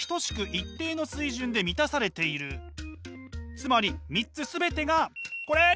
つまり３つ全てがこれ！